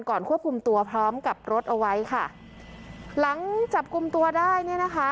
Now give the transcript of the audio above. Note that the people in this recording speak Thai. ควบคุมตัวพร้อมกับรถเอาไว้ค่ะหลังจับกลุ่มตัวได้เนี่ยนะคะ